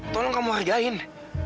tolong kamu hargain